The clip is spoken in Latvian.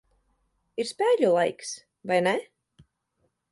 Ir spēļu laiks, vai ne?